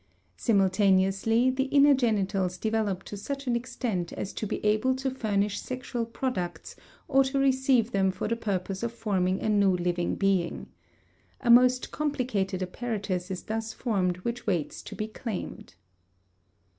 Simultaneously the inner genitals develop to such an extent as to be able to furnish sexual products or to receive them for the purpose of forming a new living being. A most complicated apparatus is thus formed which waits to be claimed.